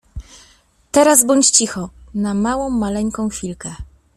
Teraz bądź cicho na małą, maleńką chwilkę…